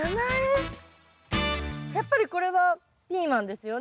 やっぱりこれはピーマンですよね。